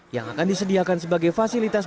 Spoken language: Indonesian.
yang akan disediakan sebagai fasilitas